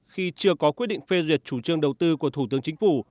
khi chưa có quyết định phê duyệt chủ trương đầu tư của thủ tướng chính phủ